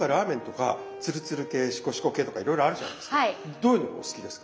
どういうのがお好きですか？